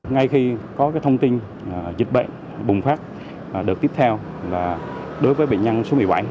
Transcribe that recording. ngay khi có thông tin dịch bệnh bùng phát đợt tiếp theo là đối với bệnh nhân số một mươi bảy